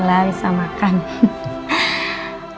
saya suapin deb